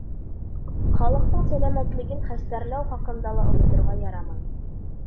Халыҡтың сәләмәтлеген хәстәрләү хаҡында ла оноторға ярамай.